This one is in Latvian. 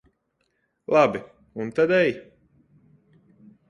Labi, un tad ej.